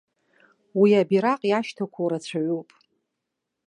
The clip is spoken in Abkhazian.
Уи абираҟ иашьҭақәоу рацәаҩуп.